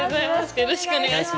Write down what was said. よろしくお願いします。